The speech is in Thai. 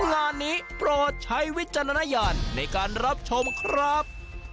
งานนี้โปรดใช้วิจารณญาณในการรับชมครับ